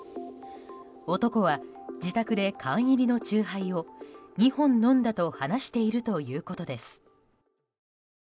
男は自宅で缶入りの酎ハイを２本飲んだと話しているということです。